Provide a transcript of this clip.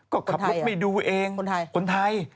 ก็ขับรถไม่ดูเองคนไทย